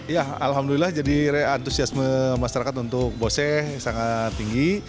ya alhamdulillah jadi re antusiasme masyarakat untuk bose sangat tinggi